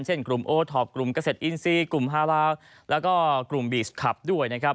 เช่นกลุ่มโอเทิปกลุ่มเกษตรอินซีกลุ่มฮาราคแล้วก็กลุ่มบีสต์คลับด้วย